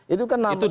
itu kan enam tahun